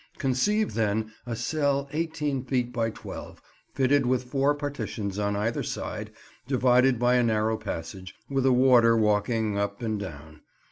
Conceive, then, a cell eighteen feet by twelve, fitted with four partitions on either side, divided by a narrow passage, with a warder walking up and down.